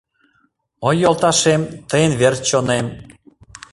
Ой, йолташем, тыйын верч чонем